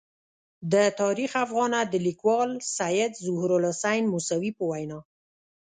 د تاریخ افاغنه د لیکوال سید ظهور الحسین موسوي په وینا.